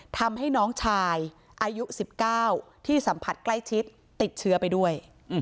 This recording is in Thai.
ทำให้น้องชายอายุ๑๙ที่สัมผัสใกล้ชิดติดเชื้อไปด้วย